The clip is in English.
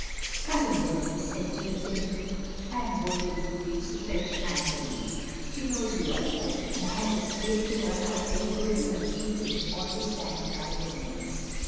"Cousin Denis," said Jeanne, timidly, "I am going, if you please, to fetch Anne Marie. She knows you are a cousin ; and I have explained to her how very good you have been to me all this time of my loneliness.